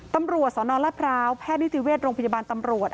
ตำรวจสนรัฐพร้าวแพทย์นิติเวชโรงพยาบาลตำรวจ